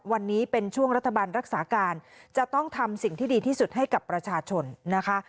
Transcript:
วันนี้เป็นช่วงรัฐบาลรักษาการจะต้องทำสิ่งที่ดีที่สุดให้กับประชาชนนะคะ